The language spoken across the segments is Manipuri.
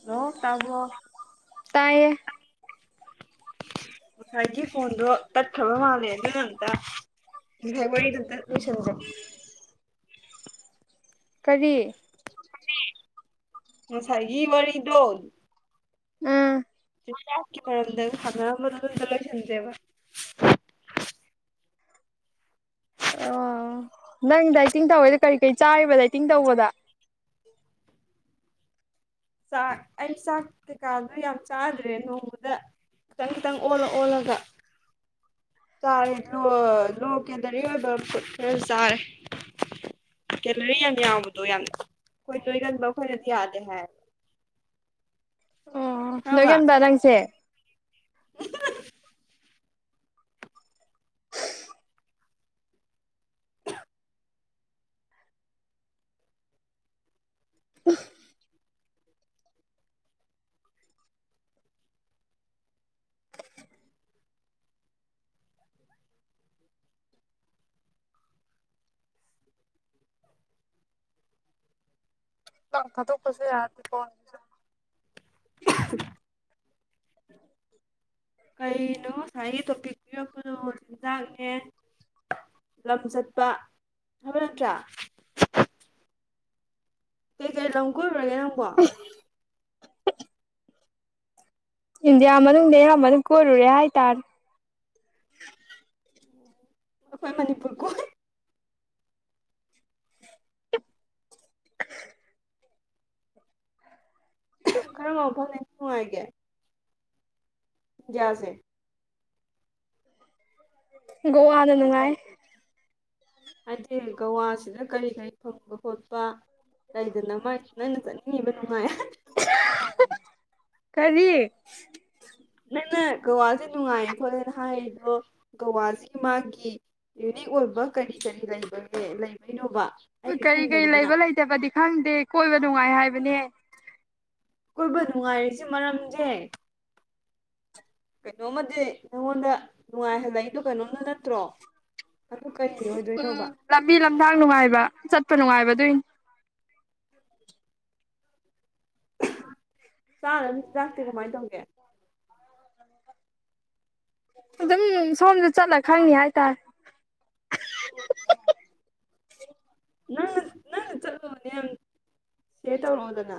ꯍꯜꯂꯣ ꯇꯥꯕ꯭ꯔꯣ ꯇꯥꯏꯌꯦ ꯉꯁꯥꯏꯒꯤ ꯐꯣꯟꯗꯣ ꯇꯠꯈꯔꯕ ꯃꯥꯂꯦ ꯑꯗꯨꯅ ꯑꯃꯇ ꯉꯁꯥꯏ ꯋꯥꯔꯤꯗꯨ ꯑꯃꯇꯥ ꯂꯣꯏꯁꯟꯁꯦ ꯀꯔꯤ ꯉꯁꯥꯏꯒꯤ ꯋꯥꯔꯤ ꯗꯣ ꯎꯝ ꯃꯔꯝꯗ ꯁꯥꯟꯅꯔꯝꯕꯗꯨ ꯗꯨ ꯑꯃꯇ ꯂꯣꯏꯁꯤꯟꯖꯦꯕ ꯑꯣ ꯅꯪ ꯗꯥꯏꯇꯤꯡ ꯇꯧꯋꯦꯗ ꯀꯔꯤ ꯀꯔꯤ ꯆꯥꯔꯤꯕ ꯗꯥꯏꯇꯤꯡ ꯇꯧꯕꯗ ꯆꯥꯛ ꯑꯩ ꯆꯥꯛ ꯀꯩꯀꯥꯗꯣ ꯌꯥꯝ ꯆꯥꯗ꯭ꯔꯦ ꯅꯣꯡꯃꯗ ꯈꯤꯇꯪ ꯈꯤꯇꯪ ꯑꯣꯜꯂ ꯑꯣꯜꯂꯒ ꯆꯥꯔꯦ ꯂꯣ ꯂꯣ ꯀꯦꯂꯔꯤ ꯑꯣꯏꯕ ꯐꯨꯠ ꯈꯔ ꯆꯥꯔꯦ ꯀꯦꯂꯔꯤ ꯌꯥꯝ ꯌꯥꯡꯕꯗꯣ ꯌꯥꯝ ꯑꯩꯈꯣꯏ ꯅꯣꯏꯒꯟꯕ ꯑꯩꯈꯣꯏꯗꯥꯗꯤ ꯌꯥꯗꯦ ꯍꯥꯏ ꯑꯣ ꯈꯪꯉꯕ ꯅꯣꯏꯒꯟꯕ ꯅꯪꯁꯦ [unintelligible] [inaudible] ꯂꯥꯎꯗ ꯊꯥꯗꯣꯛꯄꯁꯨ ꯌꯥꯗꯦꯀꯣ [inaudible] ꯀꯩꯅꯣ ꯉꯁꯥꯏꯒꯤ ꯇꯣꯄꯤꯛ ꯄꯤꯔꯛꯄꯗꯣ ꯆꯤꯟꯖꯥꯛꯅꯦ ꯂꯝ ꯆꯠꯄ ꯍꯥꯏꯕ ꯅꯠꯇ꯭ꯔꯥ ꯀꯩ ꯀꯩ ꯂꯝ ꯀꯣꯏꯔꯨꯔꯒꯦ ꯅꯪꯕꯣ ꯏꯟꯗꯤꯌꯥ ꯃꯅꯨꯡꯗꯤ ꯑꯌꯥꯝꯕꯅ ꯀꯣꯏꯔꯨꯔꯦ ꯍꯥꯏꯇꯥꯔꯦ ꯑꯩꯈꯣꯏ ꯃꯅꯤꯄꯨꯔ ꯀꯣꯏ ꯀꯔꯝꯕ ꯃꯐꯝ ꯅꯨꯡꯉꯥꯏꯒꯦ ꯗ꯭ꯌꯥꯁꯦ ꯒꯧꯋꯥꯅ ꯅꯨꯡꯉꯥꯏ ꯍꯥꯏꯗꯤ ꯒꯧꯋꯥꯁꯤꯗ ꯀꯔꯤ ꯀꯔꯤ ꯐꯪꯕ ꯈꯣꯠꯄ ꯂꯩꯗꯅ ꯃꯥꯏ ꯅꯪꯅ ꯆꯠꯅꯤꯡꯉꯤꯕ ꯅꯨꯡꯉꯥꯏ ꯀꯔꯤ ꯃꯤꯅ ꯒꯧꯋꯥꯁꯦ ꯅꯨꯡꯉꯥꯏꯌꯦ ꯈꯣꯠꯂꯦꯅ ꯍꯥꯏꯔꯤꯗꯣ ꯒꯋꯥꯁꯤꯒꯤ ꯃꯥꯒꯤ ꯌꯨꯅꯤꯛ ꯑꯣꯏꯕ ꯀꯔꯤ ꯀꯔꯤ ꯂꯩꯕꯒꯦ ꯂꯩꯕꯩꯅꯣꯕ ꯑꯩꯗꯤ ꯀꯔꯤ ꯀꯔꯤ ꯈꯪꯗꯕꯅꯤꯅ ꯂꯩꯕ ꯂꯩꯇꯕꯗꯤ ꯈꯪꯗꯦ ꯀꯣꯏꯕ ꯅꯨꯡꯉꯥꯏ ꯍꯥꯏꯕꯅꯦ ꯀꯣꯏꯕ ꯅꯨꯡꯉꯥꯏꯔꯤꯁꯤ ꯃꯔꯝꯁꯦ ꯀꯩꯅꯣꯝꯃꯗꯤ ꯅꯉꯣꯟꯗ ꯅꯨꯡꯉꯥꯏꯍꯜꯂꯛꯏꯗꯣ ꯀꯩꯅꯣꯝꯗ ꯅꯠꯇ꯭ꯔꯣ ꯑꯗꯨ ꯀꯔꯤ ꯑꯣꯏꯗꯣꯏꯅꯣꯕ ꯎꯝ ꯂꯝꯕꯤ ꯂꯝꯊꯥꯡ ꯅꯨꯡꯉꯥꯏꯕ ꯆꯠꯄ ꯅꯨꯡꯉꯥꯏꯕ ꯑꯗꯨꯏꯅꯦ ꯆꯥꯅꯅꯤ ꯆꯛꯇꯤ ꯀꯃꯥꯏ ꯇꯧꯒꯦ ꯑꯗꯨꯝ ꯁꯣꯝꯗ ꯆꯠꯂ ꯈꯪꯅꯤ ꯍꯥꯏꯇꯥꯔꯦ ꯅꯪꯅ ꯅꯪꯅ ꯆꯠꯂꯨꯅꯦ ꯁꯦꯔ ꯇꯧꯔꯛꯑꯣꯗꯅ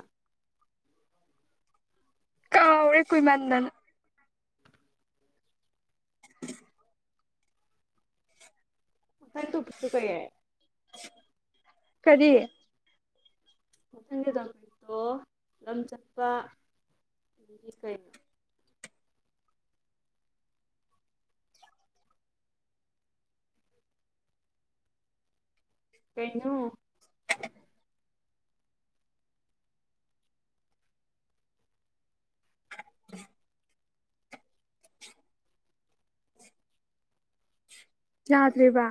ꯀꯎꯔꯦ ꯀꯨꯏꯃꯥꯟꯗꯅ [unintelligible] ꯀꯔꯤ ꯃꯊꯪꯒꯤ ꯗꯃꯤꯛꯇꯣ ꯂꯝ ꯆꯠꯄ ꯑꯗꯒꯤ ꯀꯩꯅꯣ ꯀꯩꯅꯣ [unintelligible] ꯌꯥꯗ꯭ꯔꯦꯕ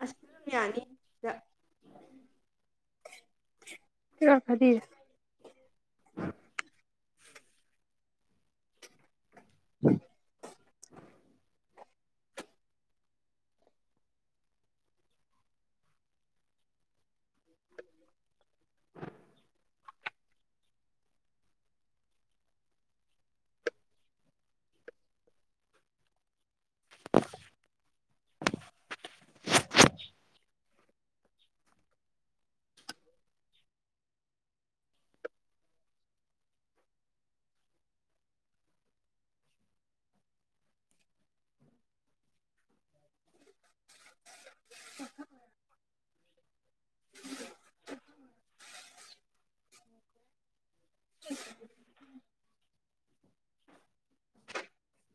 ꯑꯁ ꯑꯗꯨꯝ ꯌꯥꯅꯤ ꯁꯤꯗ [unintelligible] [unintelligible] [unintelligible] [unintelligible] [inaudible] [inaudible] [inaudible]